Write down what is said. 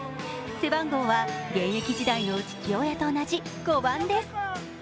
背番号は現役時代の父親と同じ５番です。